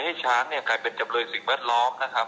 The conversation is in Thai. ช้างเนี่ยกลายเป็นจำเลยสิ่งแวดล้อมนะครับ